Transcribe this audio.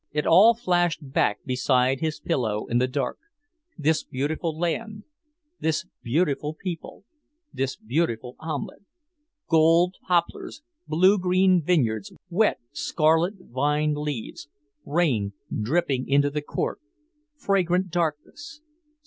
It all flashed back beside his pillow in the dark: this beautiful land, this beautiful people, this beautiful omelette; gold poplars, blue green vineyards, wet, scarlet vine leaves, rain dripping into the court, fragrant darkness...